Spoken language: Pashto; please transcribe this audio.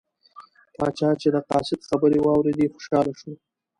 پاچا چې د قاصد خبرې واوریدې خوشحاله شو.